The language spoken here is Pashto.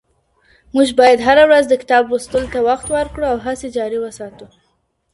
موږ بايد هره ورځ د کتاب لوستلو ته وخت ورکړو او هڅي جاري وساتو.